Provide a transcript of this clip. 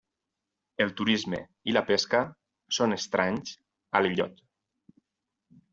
El turisme i la pesca són estranys a l'illot.